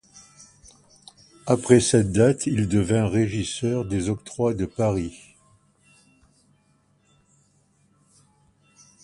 Après cette date, il devint régisseur des Octrois de Paris.